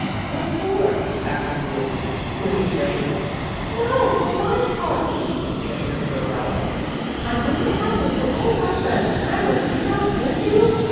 "What for?" asked Uncle Wiggily; "for the train?" "No, for my party," answered Arabella. "I'm going to have one for all my friends, and I want you to come. Will you?"